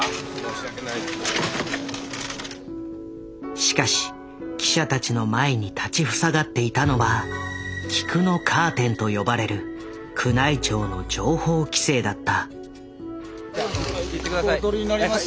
しかし記者たちの前に立ち塞がっていたのは「菊のカーテン」と呼ばれる宮内庁の情報規制だった。